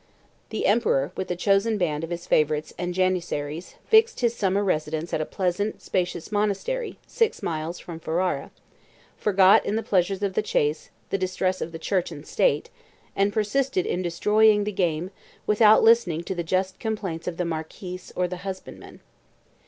The emperor, with a chosen band of his favorites and Janizaries, fixed his summer residence at a pleasant, spacious monastery, six miles from Ferrara; forgot, in the pleasures of the chase, the distress of the church and state; and persisted in destroying the game, without listening to the just complaints of the marquis or the husbandman.